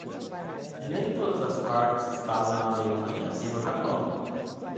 Nem todas as partes estavam na Alemanha e no Japão.